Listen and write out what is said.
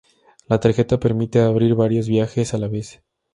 La tarjeta permite "abrir" varios viajes a la vez.